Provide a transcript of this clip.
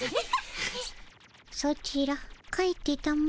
ソチら帰ってたも。